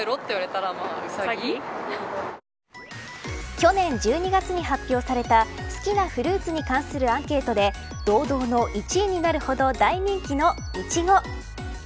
去年１２月に発表された好きなフルーツに関するアンケートで堂々の１位になるほど大人気のイチゴ。